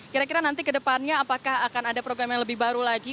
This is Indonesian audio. kira kira nanti ke depannya apakah akan ada program yang lebih baru lagi